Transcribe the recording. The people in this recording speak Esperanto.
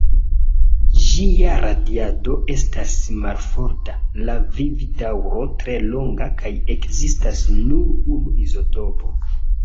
Ĝia radiado estas malforta, la vivdaŭro tre longa, kaj ekzistas nur unu izotopo.